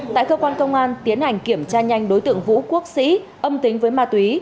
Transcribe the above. tại cơ quan công an tiến hành kiểm tra nhanh đối tượng vũ quốc sĩ âm tính với ma túy